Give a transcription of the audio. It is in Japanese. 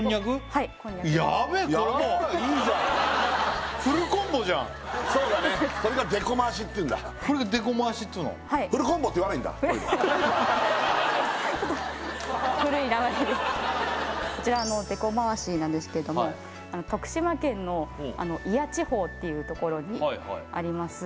はい古いなまりでこちらでこまわしなんですけれども徳島県の祖谷地方っていうところにあります